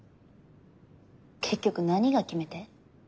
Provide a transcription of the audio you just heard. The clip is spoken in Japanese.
結局何が決め手？